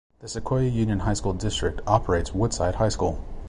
The Sequoia Union High School District operates Woodside High School.